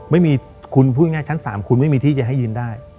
ไม่มีคุณพูดง่ายชั้น๓คุณไม่มีที่จะให้ยืนได้